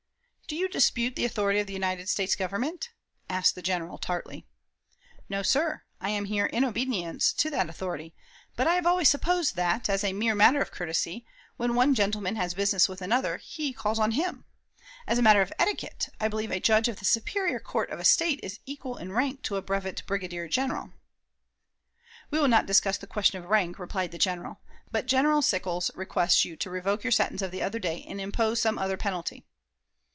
"Do you dispute the authority of the United States Government?" asked the General, tartly. "No, sir; I am here in obedience to that authority, but I have always supposed that, as a mere matter of courtesy, when one gentleman has business with another, he calls on him. As a matter of etiquette, I believe a Judge of the Superior Court of a State is equal in rank to a brevet brigadier general." "We will not discuss the question of rank," replied the General, "but General Sickles requests you to revoke your sentence of the other day and impose some other penalty."